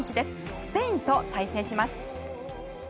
スペインと対戦します。